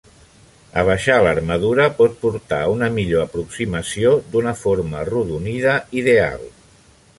Abaixar l'armadura pot portar a una millor aproximació d'una forma arrodonida ideal.